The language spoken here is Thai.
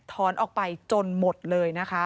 ออกไปจนหมดเลยนะคะ